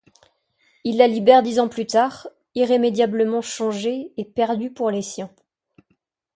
Il la libère dix ans plus tard, irrémédiablement changée et perdue pour les siens.